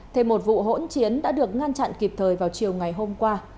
thêm một vụ hỗn chiến đã được ngăn chặn kịp thời vào chiều ngày hôm qua